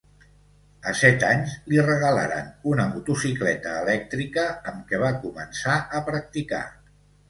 A set anys li regalaren una motocicleta elèctrica amb què va començar a practicar.